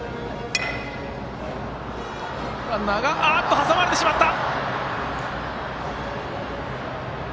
挟まれてしまった。